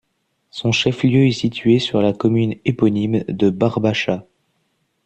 Son chef-lieu est situé sur la commune éponyme de Barbacha.